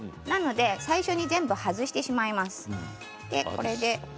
最初に外してしまいます。